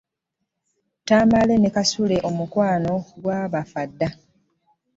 Tamale ne Kasule omukwano gwabafa dda.